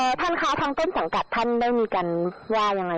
ท่านคะทางต้นสังกัดท่านได้มีการว่ายังไง